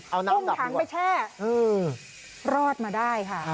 เอาน้ำกลับด้วยปุ้งถังไปแช่รอดมาได้ค่ะ